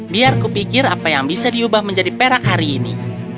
biar kupikir apa yang bisa diubah menjadi perak hari ini